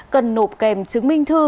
cần nộp kèm chứng minh thư